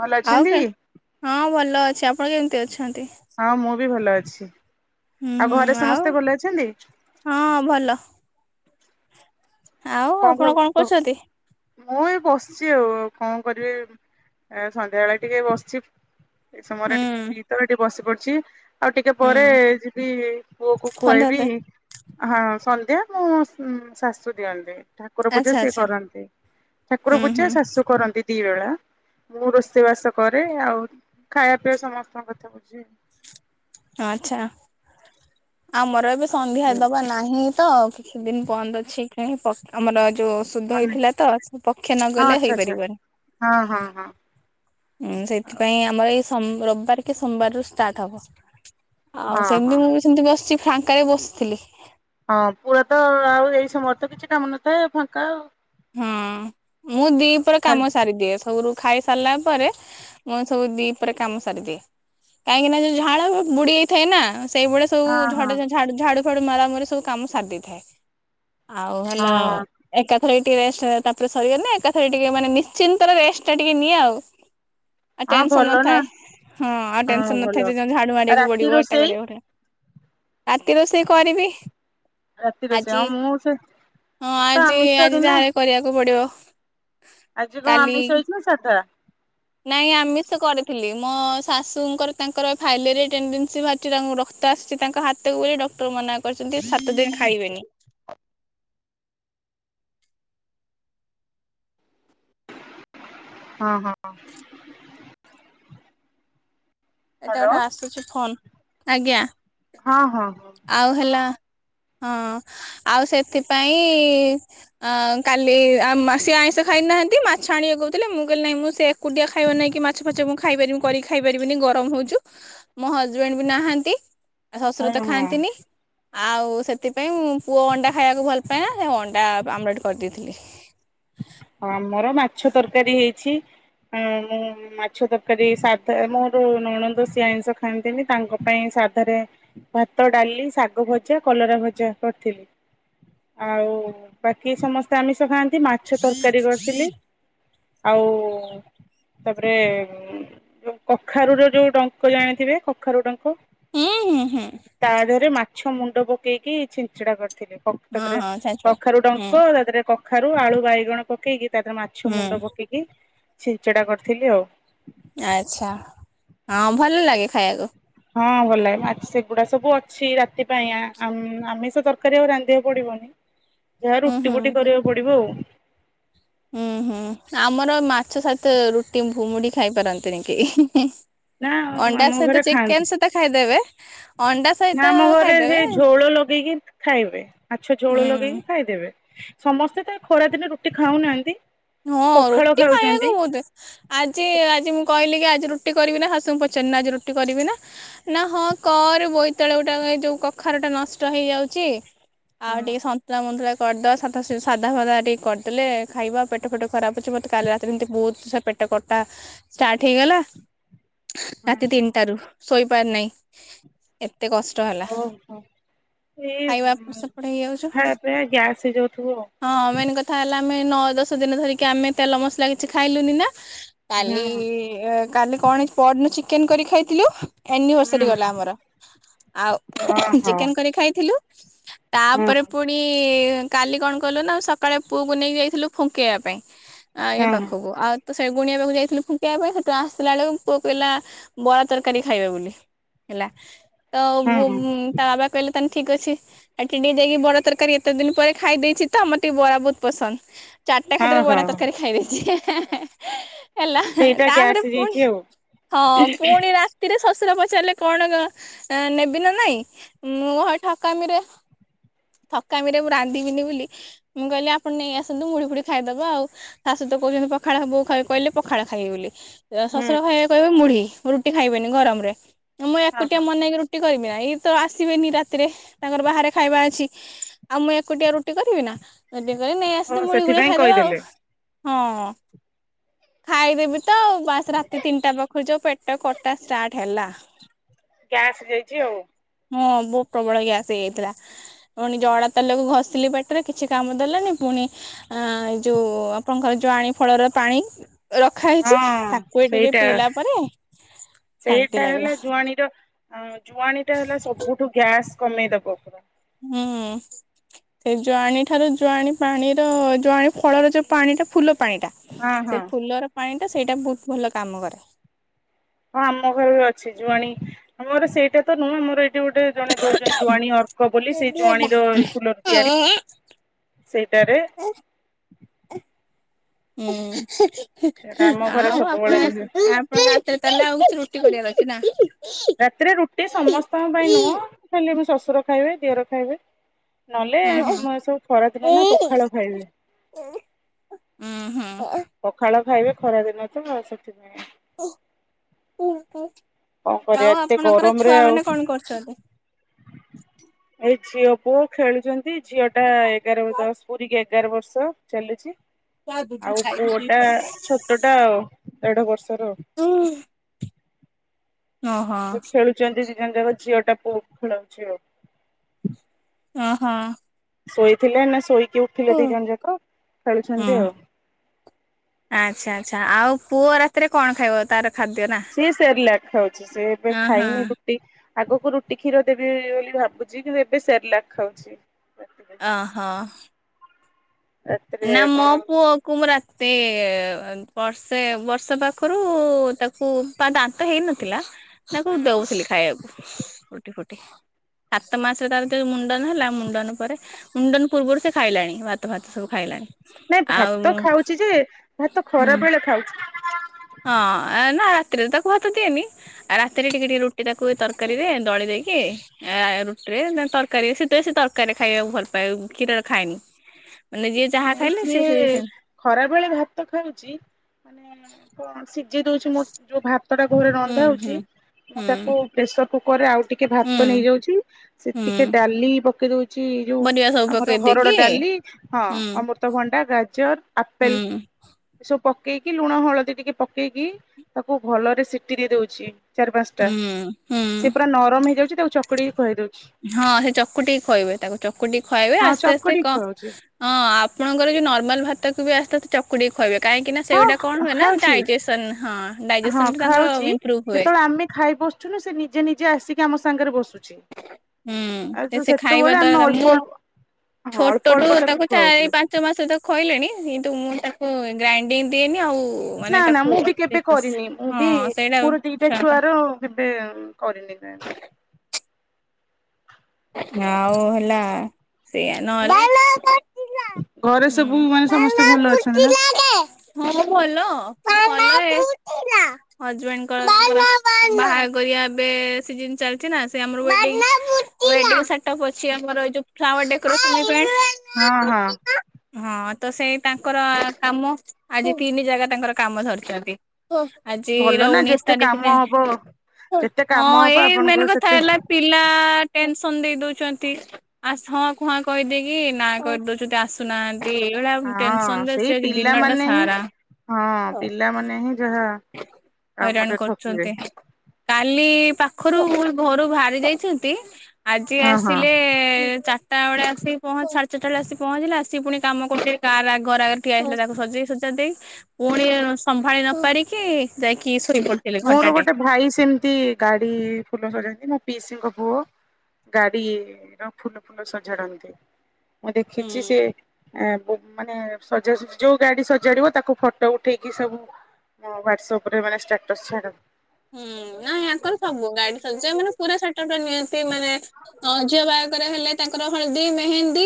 ଭଲ ଆଉ ଅଛନ୍ତି? କେ ହଁ ଭଲ ଅଛି ଆପଣ କେମିତି ଅଛନ୍ତି। ହଁ ମୁଁ ବି ଭଲ ଅଛି ହୁଁ ଆଉ ହୁଁ ଘରେ ସମସ୍ତେ ଭଲ ଅଛନ୍ତି? ହଁ ଭଲ। ଆଉ କହ ଆପଣ କଣ କ କରୁଛନ୍ତି? ମୁଁ ଏ ବସିଛି ଆଉ କଣ କରିବି ସନ୍ଧ୍ୟାବେଳେ ଟିକେ ବସିଛି। ଏଇ ସମୟରେ ହୁଁ ଟିକେ ଫ୍ରି ତ ଏଠିକି ବସି ପଡୁଛି। ଆଉ ଟିକେ ହୁଁ ପରେ ଯିବି ପୁଅକୁ ସନ୍ଧ୍ୟା ଖୁଆଇବି। ଦେ ହଁ ସନ୍ଧ୍ୟା ମୁଁ ଶାଶୁ ଦିଅନ୍ତି। ଠାକୁର ପୂଜା ଆଚ୍ଛା ସିଏ ଆଚ୍ଛା କରନ୍ତି ଠାକୁର ହୁଁ ପୂଜା ହୁଁ ଶାଶୁ କରନ୍ତି। ଦି ବେଳା ମୁଁ ରୋଷେଇ ବାସ କରେ ଆଉ ଖାଇବା ପିଇବା ସମସ୍ତଙ୍କ କଥା ବୁଝେ। ଆଛା ଆମର ଏବେ ଆଉ ସନ୍ଧ୍ୟା ହେଇ ହଁ ଦବ। ନାହିଁ ତ କିଛି ଦିନ ବନ୍ଦ ଅଛି ଆମର ଯୋଉ ଶୁଦ୍ଧ ହେଇଥିଲା ତ ସେ ପକ୍ଷେ ନଗଲେ ଆଚ୍ଛା ଆଚ୍ଛା ହେଇପାରିବନି। ହଁ ହଁ ହଁ। ହଁ ଆଉ ସେଥିପାଇଁ ଆମର ଏଇ ରବିବାର କି ସୋମବାର ରୁ ଷ୍ଟାର୍ଟ ହବ। ଆଉ ହଁ ହଁ। ସେମିତି ମୁଁ ବି ସେମିତି ବସିଛି ଫାଙ୍କାରେ ବସିଥିଲି। ହଁ ପୁରା ତ ଆଉ ଏଇ ସମୟରେ ତ କିଛି କାମ ନଥାଏ ଫାଙ୍କା ଆଉ। ହୁଁ ମୁଁ ଦିପହରେ ଖାଲି କାମ ସାରିଦିଏ ସବୁରୁ। ଖାଇ ସାରିଲା ପରେ ମୁଁ ସବୁ ଦିପହରେ କାମ ସାରିଦିଏ। କାହିଁକି ନା ଯୋଉ ଝାଳ ବୁଡି ଯାଇଥାଏ ନା ସେଇଭଳିଆ। ହଁ ଯଉ ହଁ। ଝାଡୁ ଝାଡୁ ଫାଡୁ ମାରାମରି ସବୁ କାମ ସଧିଥାଏ ଆଉ ହେଲା। ହଁ ଏକା- ଥରେ ଟିକେ ରେଷ୍ଟ ତାପରେ ସରିଗଲେ ଏକଥରେ ଟିକେ ମାନେ ନିଶ୍ଚିନ୍ତରେ ରେଷ୍ଟ ଟା ଟିକେ ନିଏ ଆଉ। ଆଉ ହଁ ଟେନସନ ଭଲ ନା ନଥାଏ ହଁ ଆଉ ହଁ ଟେନସନ ଭଲ ନଥାଏ ଯେ ଝାଡୁ ମାରିବାକୁ ରାତି ପଡିବ ଏଟା ରୋଷେଇ କରିବା ଘରେ ରାତି ରୋଷେଇ କରିବି। ରାତି ରୋଷେଇ ହଁ ଆଜି ମୁଁ ସେ ହଁ ତ ଆଜି ଆମିଷ ଆଜି ଦିନ। ଯାହାଲେ କରିବାକୁ ପଡିବ। ଆଜି କଣ କାଲି ଆମିଷ ହୋଇଛି ନା ସାଧା? ନାଇଁ ଆମିଷ କରିଥିଲି ମୋ ଶାଶୁଙ୍କର ତାଙ୍କର ଫାଇଲେରି ଟେନଡେନସି ବା। ତାଙ୍କୁ ରକ୍ତ ଆସିଛି ତାଙ୍କ ହାତକୁ ବୋଲି ଡକ୍ଟର ମନା କରିଛନ୍ତି ସାତ ଦିନ ଖାଇବେନି। ହଁ ହଁ ହଁ ଏଟା ଗୋଟେ ଆସୁଛି ଫୋନ୍ ଆଜ୍ଞା। ହଁ ହଁ। ଆଉ ହେଲା ହଁ ଆଉ ସେଥିପାଇଁ। ଆ କାଲି ସେ ଆଇଁଷ ଖାଇନାହାନ୍ତି ମାଛ ଆଣିବା କହୁଥିଲେ ମୁଁ କହିଲି ନାହିଁ ମୁଁ ସେ କୁଣ୍ଡିଆ ଖାଇବ ନାଇଁ କି ମାଛ ଫାଛ ମୁଁ ଖାଇ ପାରିବି କରିିକ ଖାଇ ପାରିବିନି ଗ ତ ହୋଉଛୁ ମୋ ହଜବେଣ୍ଡ ବି ନାହାନ୍ତି ହଁ ଶଶୁର ତ ହଁ ଖାଆନ୍ତିନି। ଆଉ ସେଥିପାଇଁ ମୁଁ ପୁଅ ଅଣ୍ଡା ଖାଇବାକୁ ଭଲ ପାଏ ନା ସେ ଅଣ୍ଡା ଆମଲଟ କରିଦେଇଥିଲି। ଆମର ମାଛ ତରକାରୀ ହେଇଛି ଆ ମୁ ମାଛ ତରକାରୀ ସାଧା ମୋର ନଣନ୍ଦ ସେ ଆଇଁଷ ଖାଆନ୍ତିନି ତାଙ୍କ ପାଇଁ ସାଧାରେ। ଭାତ ଡାଲି ଶାଗ ଭଜା କଲରା ଭଜା କରିଥିଲି। ଆଉ ବାକି ସମସ୍ତେ ଆମିଷ ଖାଆନ୍ତି ମାଛ ତରକାରୀ କରିଥିଲି। ଆଉ ତାପରେ ଯୋଉ କଖାରୁ ର ଯୋଉ ଡଙ୍କ ଜାଣିଥିବେ କଖାରୁ ଡଙ୍କ ହୁଁ ହୁଁ ହୁଁ। ତା ଦେହରେ ମାଛ ମୁଣ୍ଡ ପକେଇକି ଛେଞ୍ଚଡା କରିଥିଲି ହଁ ତାପରେ ହଁ ଛାଞ୍ଚୁଳା କଖାରୁ ହୁଁ ଡଙ୍କା ତା ଦେହରେ କ କଖାରୁ ଆଳୁ ବାଇଗଣ ପକେଇକି ତାରେ ମାଛ ମୁଣ୍ଡ ହୁଁ ପକେଇକି ଛିଚଡା କରିଥିଲି ଆଉ। ଆଛା ହଁ ଭଲ ଲାଗେ ଖାଇବାକୁ। ହଁ ଭଲ ଲାଗେ ସେଗୁଡା ସବୁ ଅଛି ରାତି ପାଇଁ କା ଆମିଷ ତରକାରୀ ଆଉ ରାନ୍ଧିବାକୁ ପଡିବନି। ଯାହା ହୁଁ ରୁଟି ହୁଁ ଫୁଟି କରିବାକୁ ପଡିବ ଆଉ। ହୁଁ ହୁଁ ଆମର ମାଛ ସହିତ ରୁଟି ଭୁମୁଡି ଖାଇ ପାରନ୍ତିନି କେହି। ନା ଅଣ୍ଡା ଆମ ଘରେ ସହିତ ଖାଆନ୍ତି। ଚିକେନ ସହିତ ଖାଇଦେବେ ଅଣ୍ଡା ସହିତ ନା ଆମ ଘରେ ସେ ଖାଇଦେବେ ଝୋଳ ଲଗେଇକି ଖାଇବେ ମାଛ ଝୋଳ ହୁଁ ଲଗେଇକି ଖାଇଦେବେ। ସମସ୍ତେ ତ ଖରା ଦିନେ ରୁଟି ଖାଉନାହାନ୍ତି। ହଁ ପଖାଳ ରୁଟି ଖାଉଛନ୍ତି। ଖାଇବାକୁ ବୋଧେ ଆଜି ଆଜି ମୁଁ କହିଲି କି ଆଜି ରୁଟି କରିବି ନା ଶାଶୁଙ୍କୁ ପଚାରି ନା ଆଜି ରୁଟି କରିବି ନା? ନା ହଁ କର ବୋଇତାଳୁ ଗୁଟା ଯୋଉ କଖାର ଟା ନଷ୍ଟ ହେଇଯାଉଛି। ଆଉ ହଁ ଟିକେ ସନ୍ତୁଳା ମନ୍ତୁଳା କରିଦବା ସାଧା ଫାଧା ଟିକେ କରିଦେଲେ ଖାଇବା ପେଟ। ପେଟ ଫଟ ଖରାପ ଅଛି ମୋତେ କାଲି ରାତିରେ ଏମିତି ବହୁତ ପେଟ କଟା ଷ୍ଟାର୍ଟ ହେଇଗଲା। ହଁ ରାତି ହଁ ତିନିଟାରୁ ଶୋଇପାରି ନାହିଁ ଏତେ କଷ୍ଟ ହେଲା। ଖାଇବା ଏପଟ ଏଇମୁଁ ସେପଟ ହେଇଯାଉଛୁ ଖାଇବା ପିଇବା ଗ୍ୟାସ ହେଇ ଯାଉଥିବ ଆଉ ହଁ ମେନ୍ କଥା ହେଲା ଆମେ ନଅ ଦଶ ଦିନ ଧରିକି ଆମେ ତେଲ ମସଲା କିଛି ଖାଇଲୁନି ନା ହୁଁ କାଲି ଏ କାଲି କଣ ପରଦିନ ଚିକେନ କରି ଖାଇଥିଲୁ। ହୁଁ ଏନିଭର୍ସରୀ ଗଲା ଆମର। ଆଉ ଓହୋ ଚିକେନ କରି ଖାଇଥିଲୁ ହଁ ତାପରେ ପ ପୁଣି କାଲି କଣ କଲୁ ନା ସକାଳେ ପୁଅକୁ ନେଇକି ଯାଇଥିଲୁ ଫୁଙ୍କେଇବା ପାଇଁ। ଆ ଏ ପାଖକୁ ଆଉ ତ ସେ ଗୁଣିବାକୁ ଯାଇଥିଲୁ ଫୁଂକିବା ପାଇଁ ସେଠୁ ଆସିଲା ବେଳକୁ ପୁଅ କହିଲା ବରା ତରକାରୀ ଖାଇବେ ବୋଲି। ହେଲା ତବୁ ହଁ ତା ବାବା କହିଲେ ତାହାନେ ଠିକ ଅଛି। ଏ କିଣି ଦେଇକି ବରା ତରକାରୀ ଏତେ ଦିନ ପରେ ଖାଇ ଦେଇଛି ତ ଆମର ଟିକେ ବରା ବହୁତ ପସନ୍ଦ। ଚାରିଟା ହଁ ଖାତରେ ବରା ହଁ। ତରକାରୀ ଖାଇଦେଇଛି ହେଁ ହେଁ ହେଁ। ହେଲା ସେଇଟା ଗ୍ୟାସ୍ ତାପରେ ହେଇଯାଇଛି ପୁଣି ଆଉ। ହଁ ପୁଣି ରାତିରେ ଶଶୁର ପଚାରିଲେ କଣ? ଏ ନେବି ନା ନାଇଁ ମୁଁ ଠକାମିରେ ଥକାମି ରେ ମୁଁ ରାନ୍ଧିବିନି ବୋଲି ମୁଁ କହିଲି ଆପଣ ନେଇ ଆସନ୍ତୁ ମୁଢି ଫୁଡ଼ି ଖାଇଦବା ଆଉ ଶାଶୁ ତ କହୁଛନ୍ତି ପଖାଳ ବୋଉ ଖାଇ କହିଲେ ପଖାଳ ଖାଇବି ବୋଲି। ହୁଁ ଶଶୁର ଖାଇବା କହିବେ ମୁଢି ରୁଟି ଖାଇବେନି ଗରମରେ ମୁଁ ହଁ ଏକୁଟିଆ ହଁ ମୋନା ଇକି ରୁ ରୁଟି କରିବି ନା ଏଇ ତ ଆସିବେନି ରାତିରେ ତାଙ୍କର ବାହାରେ ଖାଇବା ଅଛି। ଆଉ ମୁଁ ଏକୁଟିଆ ରୁଟି କରିବି ନା। ସେଥିପାଇଁ ନେଇ ଆସଲି ଓ ତେ ମୁଳିଗୋଳି ସେଥିପାଇଁ ଖାଇଦବା ଆଉ କହିଦେଲେ। ହଁ ଖାଇଦେବି ତ ବାସ ରାତି ତିନିଟା ପାଖରୁ ଯୋଉ ପେଟ କଟା ଷ୍ଟାର୍ଟ ହେଲା। ଗ୍ୟାସ ଯାଇଛି ଆଉ। ହଁ ବହୁତ ପ୍ରବଳ ଗ୍ୟାସ ହେଇଯାଇଥିଲା ପୁଣି ଜଡା ତେଲକୁ ଘଷିଲି ପେଟ ରେ କିଛି କାମ ଦେଲାନି ପୁଣି ଆ ଯୋଉ ଆପଣଙ୍କର ଯୋଉଆଣି ଫଳର ପାଣି। ରଖା ହେଇଛି ହଁ ତାକୁ ଟିକେ ସେଇଟା ପିଇଲା ପରେ ସେଇଟା ଶାନ୍ତି ଲାଗିଲା ହେଲା ଜୁଆଣୀର ଅ ଜୁଆଣୀ ଟା ହେଲା ସବୁ ଠୁ ଗ୍ୟାସ କମେଇ ଦବ ପୁରା ହୁଁ। ସେ ଜୁଆଣି ଠାରୁ ଜୁଆଣି ପାଣିର ଜୁଆଣି ଫଳର ଯୋଉ ପାଣି ଟା ଫୁଲ ପାଣି ଟା। ହଁ ହଁ ସେ ଫୁଲର ପାଣିଟା ସେଇଟା ବହୁତ ଭଲ କାମ କରେ। ହଁ ଆମ ଘରେ ବି ଅଛି ଜୁଆଣି ଆମର ସେଇଟା ତ ନୁହେଁ ଆମର ଏଇ ଗୋଟେ ଜଣେ ଦଉଛନ୍ତି ଜୁଆଣି ଅର୍କ ବୋଲି ସେଇ ଜୁଆଣୀ ର ଫୁଲର ତିଆରି ସେଇଟାରେ ହୁଁ ଆଉ ସେଇଟା ଆମ ଘରେ [unintelligible] ସବୁବେଳେ ରେ ରୁହେ। ତାହେଲେ ଆଉ କିଛି ରୁଟି କରିବା ଅଛି ନା ରାତିରେ ରୁଟି ସମସ୍ତଙ୍କ ପାଇଁ ହୁଁ ନୁହଁ ଖାଲି ମୁ ଶ୍ୱଶୁର ଖାଇବେ ଦିଅର ଖାଇବେ। ନହେଲେ ସବୁ ଖରାଦିନ ନା ପଖାଳ ଖାଇବେ। ହୁଁ ହୁଁ। ପଖାଳ ଖାଇବେ ଖରାଦିନ ତ ସେଥିପାଇଁ। କଣ କରିବା ଆଉ ଏତେ ଆପଣଙ୍କର ଗରମରେ ଛୁଆ ଆଉ ମାନେ କଣ କରୁଛନ୍ତି? ଏଇ ଝିଅ ପୁଅ ଖେଳୁଛନ୍ତି ଝିଅ ଟା ଓହୋ ଏଗାରକୁ ଦଶ ପୁରୀକି ଏ ଏଗାର ବର୍ଷ ଚାଲୁଛି ଓହୋ ଆଉ ପୁଅ ଟା ଛୋ ଛୋଟଟା ଆଉ ଦେଢ଼ ବର୍ଷର। ହୁଁ। ଓହୋ। ଅଛନ୍ତି ଦିଇ ଜଣ ଯାକ ଝିଅ ଟା ପୁଅକୁ ଖୋଳଉଛିି ଆଉ। ଅହଁ। ଶୋଇଥିଲେ ନା ଶୋଇକି ଉଠିଲେ ଦି ଜଣ ଯାକ ଖେଳୁଛନ୍ତି ଆଉ। ଆଚ୍ଛା ଆଚ୍ଛା ଆଉ ପୁଅ ରାତିରେ କଣ ଖାଇବ ତାର ଖାଦ୍ୟ ନା ସିଏ ସେରଲାକ ଖାଉଛି ସେ ଏବେ ଅ ହଁ ଖାଇନି ତ ଟି ଆଗକୁ ରୁଟି କ୍ଷୀର ଦେବି ବୋଲି ଭାବୁଛି କିନ୍ତୂ ଏବେ ସେରଲାକ ଖାଉଛି। ଅ ହଁ। ରାତିରେ ନା ମୋ କଣ ପୁଅ କୁ ମୁଁ ରାତି ଅ ବର୍ଷେ ବର୍ଷେ ପାଖରୁ ତାକୁ ତା ଦାନ୍ତ ହେଇନଥିଲା ତାକୁ ହୁଁ ଦଉଥିଲି ଖାଇବାକୁ ରୁଟି ଫୁଟି। ସାତ ମାସରେ ତାର ଯୋଉ ମୁଣ୍ଡନ ହେଲା ମୁଣ୍ଡନ ପରେ ମୁଣ୍ଡନ ପୂର୍ବରୁ ସେ ଖାଇଲାଣି ଭାତ ଫାତ ସବୁ ଖାଇଲାଣି। ନାଇଁ ଆଉ ଭାତ ଖାଉଛି ଯେ ଭାତ ହୁଁ ଖରା ବେଳେ ଖାଉଛି ହଁ ଏ ନା ରାତିରେ ତାକୁ ଭାତ ଦିଏନି ଆଉ ରାତିରେ ଟିକେ ଟିକେ ରୁ ରୁଟି ଏ ତାକୁ ତରକାରୀରେ ଦଳି ଦେଇକି ଆ ରୁଟିରେ ତରକାରୀ ସେ ତ ସେ ତରକାରୀ ଖାଇବାକୁ ଭଲ ପାଏ ଉଁ କ୍ଷୀରରେ ଖାଏନି। ମାନେ ଯିଏ ଯାହା ଖାଇଲେ ସିଏ ସେଇ ସେମ ଖରା ବେଳେ ଭାତ ଖାଉଛି ମାନେ କଣ ସିଝେଇ ଦଉଛି ମୋ ଯୋଉ ଭା ତଟା କଉ ରେ ହୁଁ ରନ୍ଧା ହୁଁ ହଉଛି ମୁଁ ହୁଁ ତାକୁ ପ୍ରେସର କୁକର ରେ ଆଉ ଟି ଟିକେ ଭାତ ହୁଁ ନେଇଯାଉଛି ସେ ଟିକେ ହୁଁ ଡାଲି ପକେଇ ଦଉ ଅଛି ଯୋଉ ପରିବା ସବୁ ଆମର ପକେଇ ହରଡ଼ ଦେଇକି ଡାଲି ହଁ। ହୁଁ ଅମୃତଭଣ୍ଡା, ଗାଜର, ଆପେଲ ହୁଁ ଏ ସବୁ ପକେଇକି ଲୁଣ, ହଳଦୀ ଟିକେ ପକେଇକି ତାକୁ ଭଲରେ ସିଟି ଦେଇ ଦଉଛି। ଚାରି ପାଞ୍ଚଟା ହୁଁ ହୁଁ ସିଏ ପୁରା ନରମ ହେଇଯାଉଛି ତାକୁ ଚକୁଡି ଖୁଆଇ ଦଉ ହଁ ସେ ଚକୁଟିିକି ଖୁଆଇବେ ତାକୁ ଚକୁଟି ଖୁଆଇବେ ହଁ ଆସ୍ତେ ଆସ୍ତେ ଚକଡିକି କ ଖୁଆଉଛି ହଁ ଆପଣଙ୍କର ଯୋଉ ନର୍ମାଲ ଭାତ କୁ ବି ଆସ୍ତେ ଆସ୍ତେ ଚ ଚକୁଟିକି ଖୁଆଇବେ କାହିଁକି ନା ସେଗୁଟା କଣ ହଁ ହୁଏ ନା ଖାଉଛି ଡାଇଜେସନ ହଁ ହଁ ଡାଇଜେସନ ଟା ତାଙ୍କର ଖାଉଛି ଇମପ୍ରୁଭ୍ ହୁଏ। ଯେତେବେଳେ ଆମେ ଖାଇବୁ ଛୁନୁ ସେ ନିଜେ ନିଜେ ଆସିକି ଆମ ସାଙ୍ଗରେ ବସୁଛି। ହୁଁ ତ ଆଉ ସେ ଖାଇବା ସେତେବେଳେ ଆମେ ଦ୍ଵାରା ତା ଅଳ୍ପ ମୁଁ ଅଳ୍ପ ହଁ ଅଳ୍ପ ଛୋଟଠୁ ଅଳ୍ପ ତାକୁ ଖୁଆଉଛୁ ଚାରି ପା ଞ୍ଚ ମାସ ତ ଖୁଏଇଲେଣି କିନ୍ତୁ ମୁଁ ତାକୁ ଗ୍ରାଇଡିଙ୍ଗ ଦିଏନି ଆଉ ନା ମାନେ ନା ତାକୁ ମୁଁ ବି କେବେ ହଁ କରିନି ମୁଁ ବି ସେଇଟା ମୋର ଦିଟା ଛୁଆ ଛୁଆର କେବେ କରିନି ସେମିତି। ଆଉ ହେଲା ସେୟା ନହେଲେ ଘରେ ହୁଁ। ସବୁ ହଁ ମାନେ ସମସ୍ତେ ଭଲ ଅଛନ୍ତି ନା ପା ଭଲ ହଜବେଣ୍ଡଙ୍କ ବାହା କରିବା ଏବେ ସିଜିନ୍ ଚାଲିଛି ନା ସେ ଆମର ଗୋଟେ ୱେଡିଙ୍ଗସେଟପ୍ ଅଛି ଆମର ଏ ଯୋଉ ଫ୍ଲାୱାର ଡେକୋରେସନ ଇଭେଣ୍ଟ। ହଁ ହଁ। ହଁ ତ ସେଇ ତାଙ୍କର କାମ ଆଜି ତିନି ଜାଗା ତାଙ୍କର କାମ ଧରିଛନ୍ତି। ଭଲ ଆଜିର ନା ଉଣେଇଶ ଯେତେ କାମ ତାରିଖରେ ହବ ଯେତେ ହଁ କାମ ହବ ଏଇ ଆପଣଙ୍କର ମେନ କଥା ସେତେ ହେଲା ପିଲା ଟେନସନ ଦେଇ ଦଉଛନ୍ତି ଆ ହଁ କୁ ହଁ କହିଦେଇକି ନା କହିଦଉଛନ୍ତି ଆସୁନାହାନ୍ତି। ଏଇଭଳିଆ ହଁ ଟେନସନ ରେ ସେଇ ସେ ଦିନଟା ପିଲାମାନେ ହିଁ ସାରା। ହଁ ପିଲାମାନେ ହିଁ ଯାହା ହଇରାଣ କାମରେ ଠକିବେ କରୁଛନ୍ତି। କାଲି ପାଖରୁ ଘରୁ ବାହାରି ଯାଇଛନ୍ତି ଆଜି ହଁ ହଁ। ଆସିଲେ ଚାରିଟା ବେଳେ ଆସିକି ପହଞ୍ଚ ସାଢେ ଚାରିଟା ବେଳେ ଆସିକି ପହଞ୍ଚିଲେ ଆସିକି ପୁଣି କାମ କରୁଥିଲେ। କାର ଘର ଆଗରେ ଠିଆ ହେଇଥିଲା ତାକୁ ସଜେଇ ସୁଜା ଦେଇ ପୁଣି ସମ୍ଭାଳି ନ ପାରିକି ଯାଇକି ଶୋଇପଡ ମୋର ଗୋଟେ ଭାଇ ସେମିତି ଗାଡି ଫୁଲ ସଯାନ୍ତି। ମୋ ପିଇସିଙ୍କ ପୁଅ। ଗାଡି ର ଫୁଲ ଫୁଲ ସଝାଡନ୍ତି। ମୁଁ ହୁଁ। ଦେଖିଛି ସେ ମାନେ ସଜା ସୁଜି ଯୋଉ ଗାଡି ସଜାଡିବ ତାକୁ ଫଟୋ ଉଠେଇକି ସବୁ ହଁ ୱାଟସଆପ ରେ ମାନେ ଷ୍ଟାଟସ୍ ଛାଡ଼ନ୍ତି। ହୁଁ ନା ୟାଙ୍କର ସବୁ ଗାଡି ସଯା ମାନେ ପୁରା ସେଟଅପ ଟା ନିଅନ୍ତି ମାନେ ଝିଅ ବାହାଘରେ ହେଲେ ତାଙ୍କର ହଳଦୀ ମେହେନ୍ଦୀ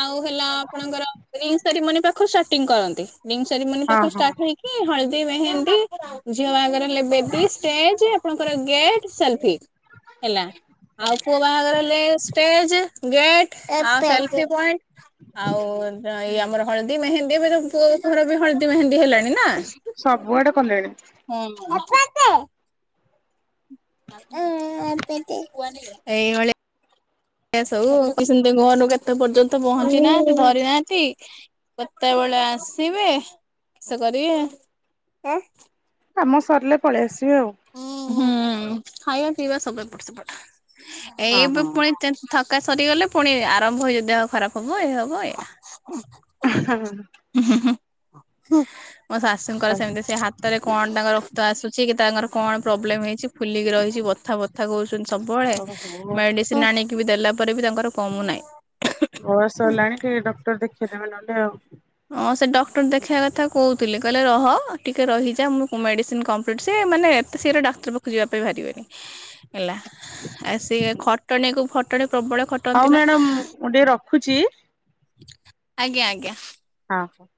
ଆଉ ହେଲା ଆପଣଙ୍କର ରିଙ୍ଗସେରିମନି ପାଖୁରୁ ଷ୍ଟାର୍ଟିଙ୍ଗି କରନ୍ତି। ରିଙ୍ଗସେରିମନି ହଁ ପାଖୁରୁ ହଁ ଷ୍ଟାର୍ଟ ହେଇକ କି ହଳଦୀ ମେହେନ୍ଦି, ଝିଅ ବାହାଘର ହେଲେ ବେ ଦି ଷ୍ଟେଜ୍ ଆପଣଙ୍କର ଗେଟ୍ ସେଲ୍ଫି। ହେଲା ଆଉ ପୁଅ ବାହାଘର ହେଲେ ଷ୍ଟେଜେ ଗେଟ [unintelligible] ପଏଣ୍ଟ। ଆଉ ଏଇ ଆମର ହଳଦୀ ମେହେନ୍ଦୀ ଏବେ [unintelligible] ପୁଅ ଘର ବି ହଳଦୀ ମେହେନ୍ଦୀ ହେଲାଣି ନା। ସବୁଆଡେ କଲେଣି। [unintelligible] [unintelligible] ଏଇଭଳି ଏ ସବୁ କି ସେମିତି ଘରୁ କେତେ ପର୍ଯ୍ୟନ୍ତ ପହଞ୍ଚି ନାହାନ୍ତି ଧରି ନାହାନ୍ତି? କେତେବୋଳେ ଆସିବେ କିଷ କରିବେ। କାମ ସରିଲେ ପଳେଇ ଆସିବେ ଆଉ। ଉଁ। ହଁ ଥକା ସରିଗଲେ ପୁଣି ଆରମ୍ଭ ହେଇ ଦେହ ଖରାପ ହବ ଏଇ ହବ ଏୟା। [unintelligible] [unintelligible] ମୋ ଶା ଶୁଙ୍କର ହଁ। ସେମିତି ସେ ହାତରେ କଣ ତାଙ୍କର ରକ୍ତ ଆସୁଛି କି ତାଙ୍କର କଣ ପ୍ରୋବ୍ଲେମ ହେଇଛି ଫୁଲିକି ରହିଛି ବଥା ବଥା କୋହୁଛନ୍ତି ସବୁବୋଳେ ମେ ହଉ ମେଡ଼ିସିନ୍ ଆଣିକି ବି ଦେଲା ପରେ ବି ତାଙ୍କର କମୁ ନାଇଁ। ବୟସ ହେଲାଣି ଟିକେ ଡକ୍ଟର ଦେଖେଇଦବେ ନହେଲେ ଆଉ। ହଁ ସେ ଡକ୍ଟର ଦେଖିଇବା କଥା କୋହୁଥୁଲେ କହିଲେ ରହ ଟିକେ ରହିଯା ମୁଁ ମେଡ଼ିସିନ୍ କମ୍ ପିଟ୍ ସିଏ ମାନେ ଏତେ ଶୀଘ୍ର ଡାକ୍ତର ପାଖୁକୁ ଯିବା ପାଇଁ ବାହାରିବେନି। ହେଲା ଆଉ ସିଏ ଖଟଣୀ କୁ ଫଟଣୀ ପ୍ରବଳ ଖଟନ୍ତି ହଉ ନା ମ୍ୟାଡାମ ମୁଁ ଟିକେ ରଖୁଚି। ଆଜ୍ଞା ଆଜ୍ଞା। ହଁ।